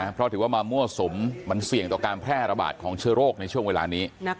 เพราะถือว่ามามั่วสุมมันเสี่ยงต่อการแพร่ระบาดของเชื้อโรคในช่วงเวลานี้